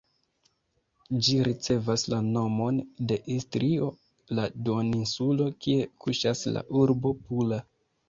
Ĝi ricevis la nomon de Istrio, la duoninsulo kie kuŝas la urbo Pula.